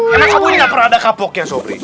emang kamu ini gak pernah ada kapoknya sobri